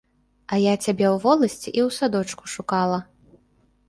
А я цябе ў воласці і ў садочку шукала.